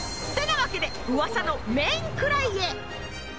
ってなわけで噂のメンクライへ。